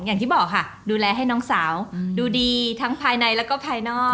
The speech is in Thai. อย่างที่บอกค่ะดูแลให้น้องสาวดูดีทั้งภายในแล้วก็ภายนอก